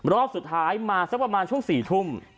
รอบสุดท้ายมาสักประมาณช่วง๔ทุ่ม